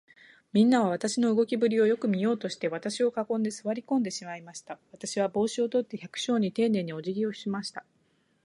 みんなは、私の動きぶりをよく見ようとして、私を囲んで、坐り込んでしまいました。私は帽子を取って、百姓にていねいに、おじぎをしました。